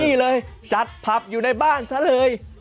นี่เลยจัดผับอยู่ในบ้านซะเลย